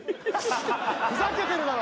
ふざけてるだろ。